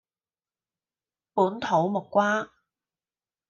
本土木瓜